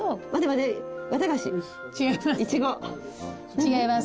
違います。